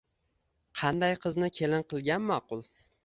Qanday qizni kelin qilgan ma`qul